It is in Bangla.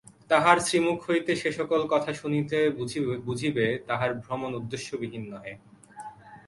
তাঁহার শ্রীমুখ হইতে সে-সকল কথা শুনিলে বুঝিবে, তাঁহার ভ্রমণ উদ্দেশ্যবিহীন নহে।